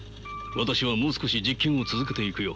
私はもう少し実験を続けていくよ。